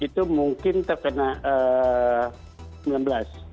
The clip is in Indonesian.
kemudian yang akan menerapkan kebijakan